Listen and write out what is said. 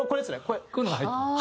こういうのが入ってる。